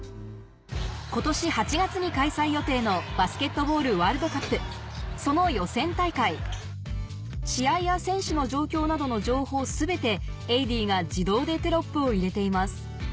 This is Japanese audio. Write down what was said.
今年８月に開催予定のバスケットボールワールドカップその予選大会試合や選手の状況などの情報全て「エイディ」が自動でテロップを入れています